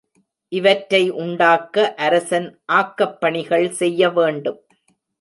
இவற்றை உண்டாக்க அரசன் ஆக்கப் பணிகள் செய்ய வேண்டும்.